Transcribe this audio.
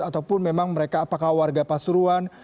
ataupun memang mereka apakah warga pasuruan